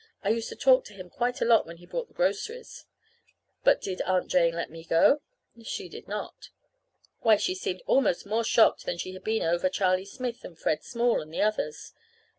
I used to talk to him quite a lot when he brought the groceries. But did Aunt Jane let me go? She did not. Why, she seemed almost more shocked than she had been over Charlie Smith and Fred Small, and the others.